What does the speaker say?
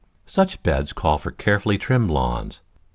Such beds call for carefully trimmed lawns.